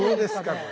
これ。